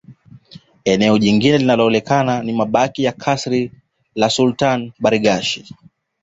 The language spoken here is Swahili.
Eneo jingine linaloonekana ni mabaki ya kasri la Sultan Barghash